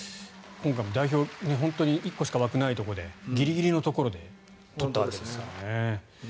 今回も代表本当に１個しか枠がないところでギリギリのところで取ったわけですからね。